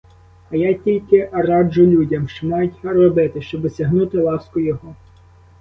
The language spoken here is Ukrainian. А я тільки раджу людям, що мають робити, щоб осягнути ласку його.